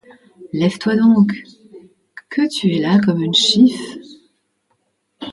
Lève-toi donc, que tu es là comme une chiffe!